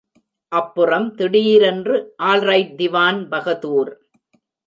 அப்புறம் திடீரென்று ஆல்ரைட் திவான்பகதூர்!